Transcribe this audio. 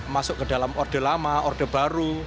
masuk ke dalam order lama order baru